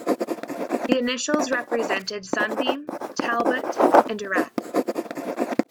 The initials represented Sunbeam, Talbot and Darracq.